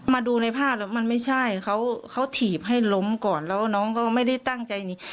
มาดูในภาพแล้วมันไม่ใช่เขาถีบให้ล้มก่อนแล้วน้องก็ไม่ได้ตั้งใจหนี